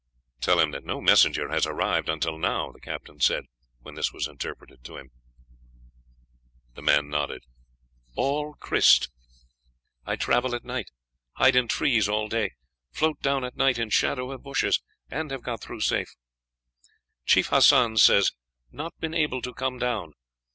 "Tell him that no messenger has arrived until now," the captain said, when this was interpreted to him. The man nodded. "All krised. I travel at night, hide in trees all day, float down at night in shadow of bushes, and have got through safe. Chief Hassan says not been able to come down.